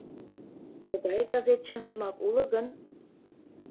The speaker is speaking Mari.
Тыгай газет чынжымак уло гын...